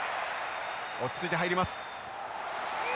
落ち着いて入ります。